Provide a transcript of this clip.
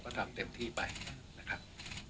ก็ทำเต็มที่ไปนะครับ